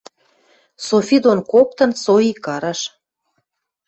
Софи дон коктын со икараш